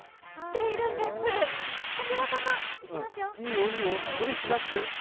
いいよいいよ、無理しなくて。